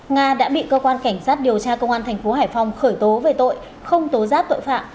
nga đã bị cơ quan cảnh sát điều tra công an thành phố hải phòng khởi tố về tội không tố giác tội phạm